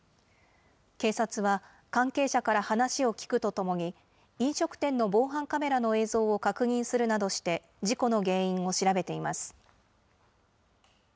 警察は、関係者から話を聴くとともに、飲食店の防犯カメラの映像を確認するなどして、事故の原因を調べています。